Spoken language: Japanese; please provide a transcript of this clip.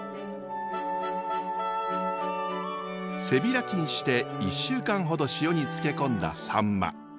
背開きにして１週間ほど塩に漬け込んださんま。